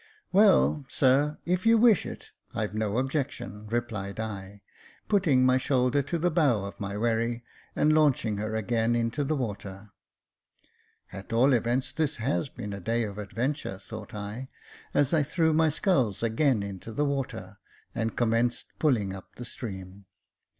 Well, sir, if you wish it, I've no objection," replied I, putting my shoulder to the Jacob Faithful 325 bow of my wherry, and launching her again into the water. At all events, this has been a day of adventure, thought I, as I threw my sculls again into the water, and commenced pulling up the stream.